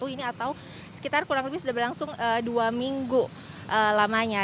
ini atau sekitar kurang lebih sudah berlangsung dua minggu lamanya